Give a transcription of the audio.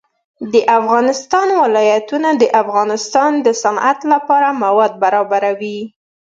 د افغانستان ولايتونه د افغانستان د صنعت لپاره مواد برابروي.